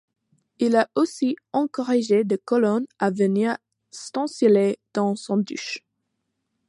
Il a aussi encouragé des colons à venir s’installer dans son duché.